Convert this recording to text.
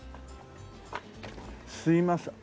すいません。